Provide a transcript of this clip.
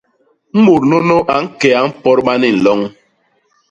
Mut nuu a ñke a mpodba ni nloñ.